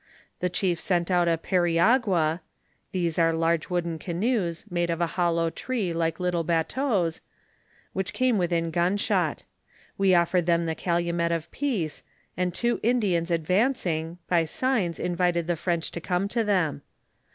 The chiefs sent out a periagua (these are large wooden canoes, made of a hollow tree like little DISCOVERIES m THE MISSISSIPPI VALLEY. 169 batteaux), «vbich came within gun shot. We offered them the calumet of peace, and two Indians advancing, by signs invited the French to come to them.